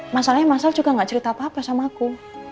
masalahnya masal juga gak cerita apa apa sama aku